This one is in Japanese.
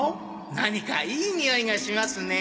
何かいいにおいがしますね。